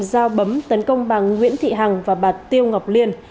giao bấm tấn công bằng nguyễn thị hằng và bà tiêu ngọc liên